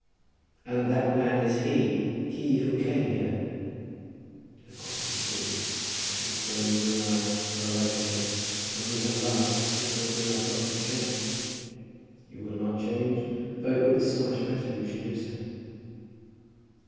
"And that man is he, he who came here?" "Of course it is he. I think, Johnny, you and I are alike in this, that when we have loved we cannot bring ourselves to change. You will not change, though it would be so much better you should do so."